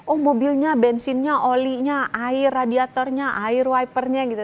oh mobilnya bensinnya olinya air radiatornya air wipernya gitu